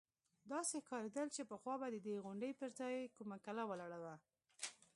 داسې ښکارېدل چې پخوا به د دې غونډۍ پر ځاى کومه کلا ولاړه وه.